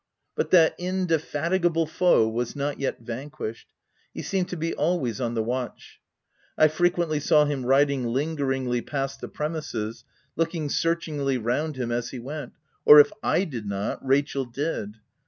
But that indefatigable foe was not yet van quished : he seemed to be always on the watch. I frequently saw him riding lingeringly past the premises, looking searchingly round him cs he went — or if 1 did not, Rachel did.